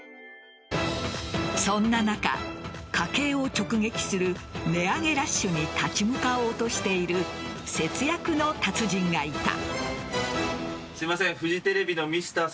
そんな中、家計を直撃する値上げラッシュに立ち向かおうとしている節約の達人がいた。